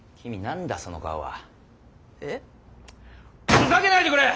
ふざけないでくれ！